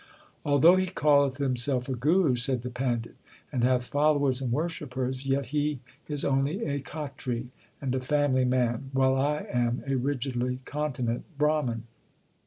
Although he calleth himself a guru , said the pandit, and hath followers and worshippers, yet he is only a Khatri and a family man, while I am a rigidly continent Brahman.